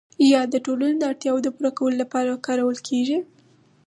یا د ټولنې د اړتیاوو د پوره کولو لپاره کارول کیږي؟